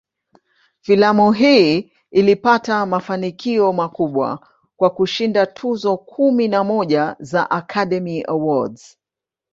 Filamu hii ilipata mafanikio makubwa, kwa kushinda tuzo kumi na moja za "Academy Awards".